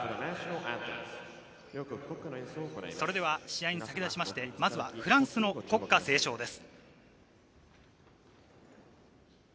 それでは試合に先立ちまして、まずはフランスの国歌斉唱です。